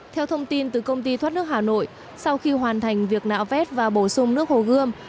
theo thông tin từ công ty thoát nước hà nội sau khi hoàn thành việc nạo vét và bổ sung nước hồ gươm